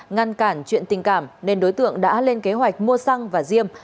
ngăn cản chuyện tình cảm nên đối tượng đã lên kế hoạch mua xăng và diêm